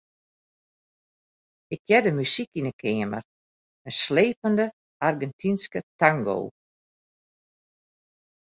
Ik hearde muzyk yn in keamer, in slepende Argentynske tango.